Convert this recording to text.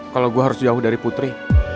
kalau gue harus jauh dari putri